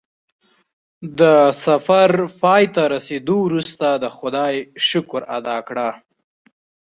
د سفر پای ته رسېدو وروسته د خدای شکر ادا کړه.